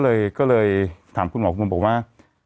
ฮือก็เลยสามคุณหมอคุณบอกว่า